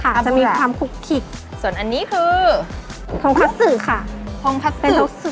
จะมีความคุกขิกส่วนอันนี้คือทองคัตซึค่ะทองคัตซึ